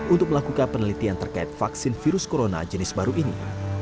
untuk melakukan penelitian terkait vaksin virus corona jenis baru ini